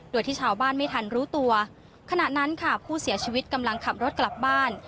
โดยที่ชาวบ้านไม่ทันรู้ตัวขณะนั้นค่ะผู้เสียชีวิตกำลังขับรถกลับบ้าน